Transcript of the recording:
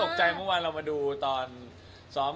นิวก็ตกใจเมื่อวานเรามาดูตอนซ้อม